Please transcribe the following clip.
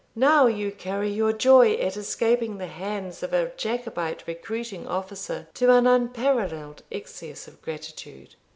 now you carry your joy at escaping the hands of a Jacobite recruiting officer to an unparalleled excess of gratitude.'